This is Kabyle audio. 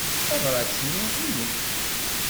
Tabṛat-nni i nekk.